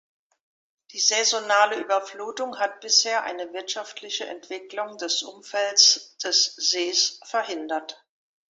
Die saisonale Überflutung hat bisher eine wirtschaftliche Entwicklung des Umfelds des Sees verhindert.